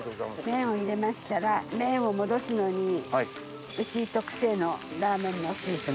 麺を入れましたら麺を戻すのにうち特製のラーメンのスープなんです。